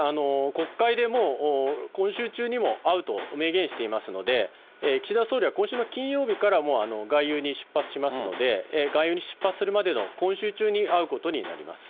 国会でもう今週中にも会うと明言していますので、岸田総理は今週の金曜日から外遊に出発しますので、外遊に出発するまでの、今週中に会うことになります。